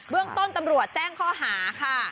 เรื่องต้นตำรวจแจ้งข้อหาค่ะ